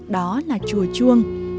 đó là chùa chuông